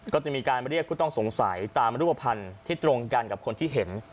ก็จะมีการเรียกผู้ต้องสงสัยตามรูปภัณฑ์ที่ตรงกันกับคนที่เห็น